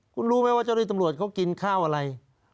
คุณรู้ไหมว่าเจ้าหน้าที่ตำรวจเขากินข้าวอะไร